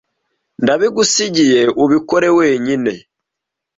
Ndabigusigiye ubikore wenyine